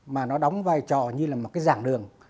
mà nó đóng vai trò như là một cái giảng đường